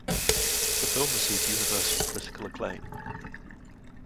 The film received universal critical acclaim.